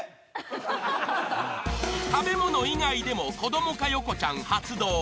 ［食べ物以外でも子供化ヨコちゃん発動］